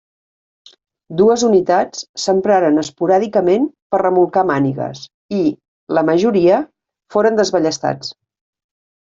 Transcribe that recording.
Dues unitats s'empraren esporàdicament per remolcar mànigues i, la majoria, foren desballestats.